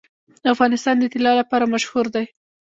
افغانستان د طلا لپاره مشهور دی.